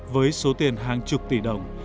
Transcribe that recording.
với số tiền hàng chục tỷ đồng